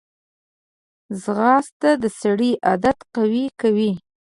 ځغاسته د سړي عادت قوي کوي